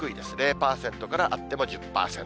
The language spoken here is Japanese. ０％からあっても１０％。